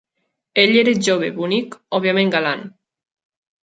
Ell era jove, bonic, òbviament galant.